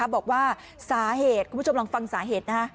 บอกว่าสาเหตุคุณผู้ชมลองฟังสาเหตุ